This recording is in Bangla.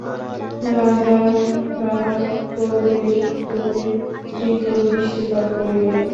রাজা তাঁহার কবির প্রতি তীব্র দৃষ্টিপাত করিলেন।